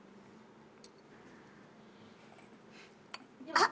あっ！